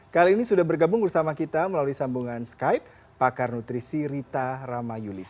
kali ini sudah bergabung bersama kita melalui sambungan skype pakar nutrisi rita ramayulis